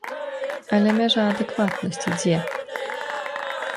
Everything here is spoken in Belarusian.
Але мяжа адэкватнасці дзе?